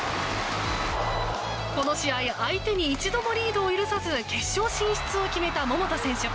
この試合、相手に一度もリードを許さず決勝進出を決めた桃田選手。